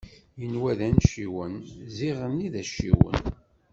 Inwa d anciwen, ziɣenni d acciwen.